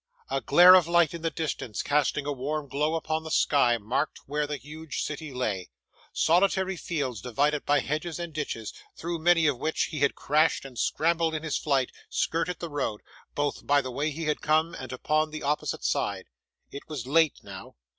A glare of light in the distance, casting a warm glow upon the sky, marked where the huge city lay. Solitary fields, divided by hedges and ditches, through many of which he had crashed and scrambled in his flight, skirted the road, both by the way he had come and upon the opposite side. It was late now.